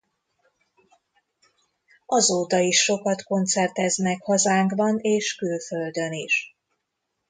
Azóta is sokat koncerteznek hazánkban és külföldön is.